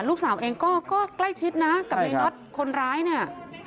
ลูกสาวเองก็ใกล้ชิดนะใช่ค่ะกับเรียงรัฐคนร้ายเนี่ย